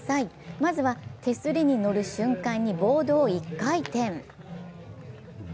まずは手すりに乗る瞬間にボードを一回転。